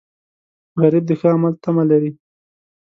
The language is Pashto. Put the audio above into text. غریب د ښه عمل تمه لري